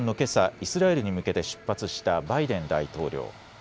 イスラエルに向けて出発したバイデン大統領。